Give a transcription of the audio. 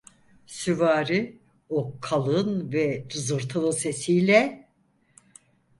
Süvari, o kalın ve cızırtılı sesiyle…